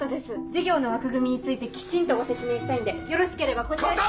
事業の枠組みについてきちんとご説明したいんでよろしければこちらに。